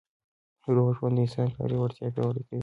روغ ژوند د انسان کاري وړتیا پیاوړې کوي.